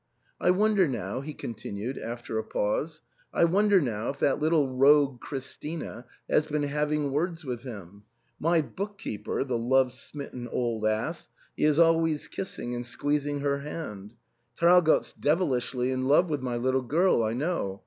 "I wonder now," he continued after a pause, — "I wonder now if that' little rogue Christina has been having words with him ? My book keeper — ^the love smitten old ass — ^he is always kissing and squeezing her hand Traugott's devilishly in love with my little girl, I know.